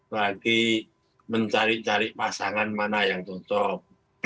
bagi mencari cari pasangan mana yang tutup